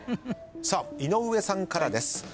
井上さんからです。